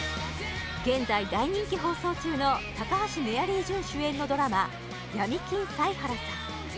現在大人気放送中の高橋メアリージュン主演のドラマ「闇金サイハラさん」